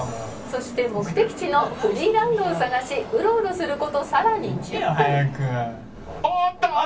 「そして目的地のフリーランドを探しうろうろする事さらに１０分」